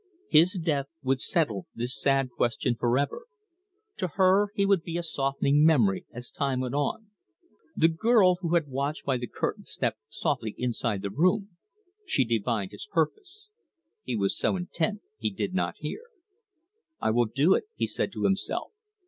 His death would settle this sad question for ever. To her he would be a softening memory as time went on. The girl who had watched by the curtain stepped softly inside the room ... she divined his purpose. He was so intent he did not hear. "I will do it," he said to himself.